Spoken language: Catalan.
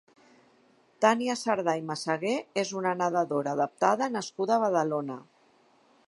Tània Cerdà i Meseguer és una nedadora adaptada nascuda a Badalona.